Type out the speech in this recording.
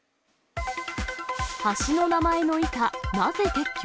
橋の名前の板、なぜ撤去？